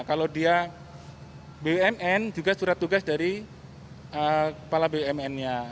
kalau dia bumn juga surat tugas dari kepala bumn nya